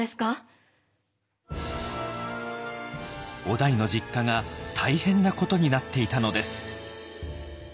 於大の実家が大変なことになっていたのです。